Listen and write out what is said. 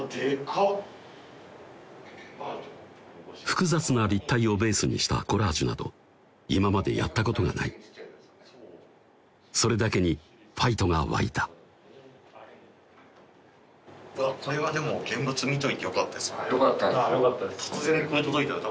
複雑な立体をベースにしたコラージュなど今までやったことがないそれだけにファイトが湧いたよかったです